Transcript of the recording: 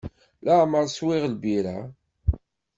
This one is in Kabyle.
Leɛmer swiɣ lbirra.